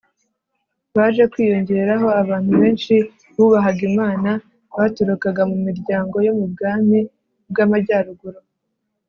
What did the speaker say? baje kwiyongeraho abantu benshi bubahaga imana baturukaga mu miryango yo mu bwami bw'amajyaruguru